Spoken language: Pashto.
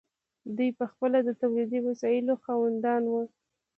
دوی پخپله د تولیدي وسایلو خاوندان وو.